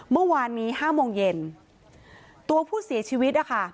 เมื่อวานนี้ห้าโมงเย็นตัวผู้เสียชีวิตนะคะ